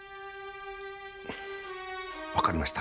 わかりました。